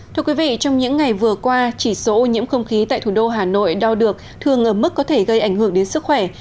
thưa quý vị trong những ngày vừa qua chỉ số ô nhiễm không khí tại thủ đô hà nội đo được thường ở mức có thể gây ảnh hưởng đến sức khỏe